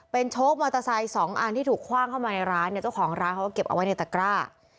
โชคมอเตอร์ไซค์สองอันที่ถูกคว่างเข้ามาในร้านเนี่ยเจ้าของร้านเขาก็เก็บเอาไว้ในตะกร้า